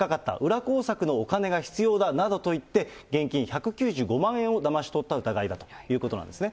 裏工作のお金が必要だなどと言って、現金１９５万円をだまし取った疑いだということなんですね。